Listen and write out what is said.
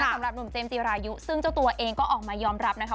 สำหรับหนุ่มเจมส์จีรายุซึ่งเจ้าตัวเองก็ออกมายอมรับนะคะ